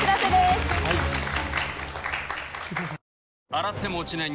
洗っても落ちない